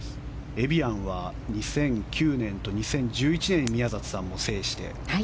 エビアンは、２００９年と２０１１年に宮里さんも制して。